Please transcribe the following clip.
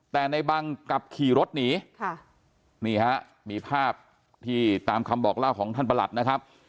แต่ในบังกลับขี่รถหนีค่ะนี่ฮะมีภาพที่ตามคำบอกเล่าของท่านประหลัดนะครับ